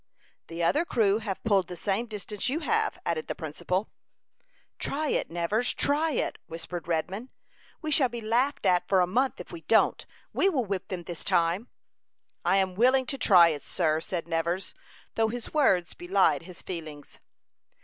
"The other crew have pulled the same distance you have," added the principal. "Try it, Nevers, try it," whispered Redman. "We shall be laughed at for a month, if we don't. We will whip them this time." "I am willing to try it, sir," said Nevers, though his words belied his feelings.